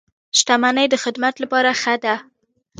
• شتمني د خدمت لپاره ښه ده.